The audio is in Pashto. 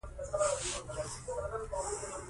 دغه توپیرونه د نړیوالې نابرابرۍ د بحث مهم ټکی جوړوي.